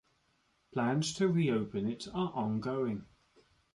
Plans to reopen it are ongoing.